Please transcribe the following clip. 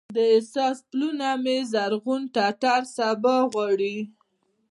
د احساس پلونه مې زرغون ټټر سبا غواړي